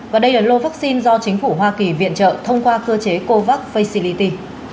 và đây là lô vaccine do chính phủ hoa kỳ viện trợ thông qua cơ chế covax facility